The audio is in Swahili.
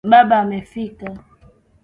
Baba amefika.